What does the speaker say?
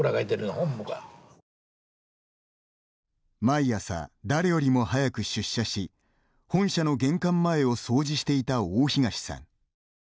毎朝、誰よりも早く出社し本社の玄関前を掃除していた大東さん。